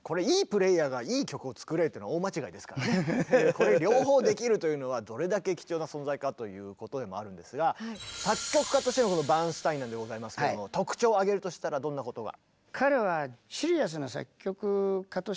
これ両方できるというのはどれだけ貴重な存在かということでもあるんですが作曲家としてのバーンスタインなんでございますけども特徴を挙げるとしたらどんなことが？